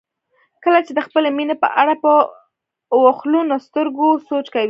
کله چې د خپلې مینې په اړه په اوښلنو سترګو سوچ کوئ.